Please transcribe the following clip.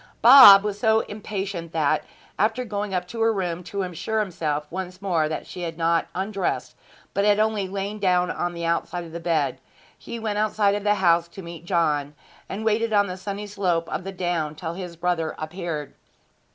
Bob was so impatient that, after going up to her room to assure himself once more that she had not undressed, but had only lain down on the outside of the bed, he went out of the house to meet John, and waited on the sunny slope of the down till his brother appeared.